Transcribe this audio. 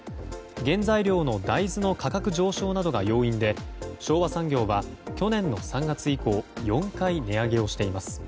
原材料の大豆の価格上昇などが要因で昭和産業は去年の３月以降４回、値上げをしています。